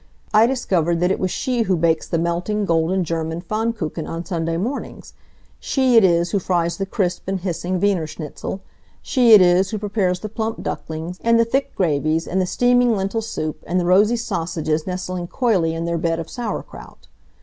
I discovered that it was she who bakes the melting, golden German Pfannkuchen on Sunday mornings; she it is who fries the crisp and hissing Wienerschnitzel; she it is who prepares the plump ducklings, and the thick gravies, and the steaming lentil soup and the rosy sausages nestling coyly in their bed of sauerkraut.